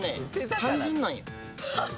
単純なんよ